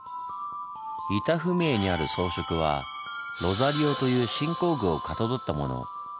板踏絵にある装飾はロザリオという信仰具をかたどったもの。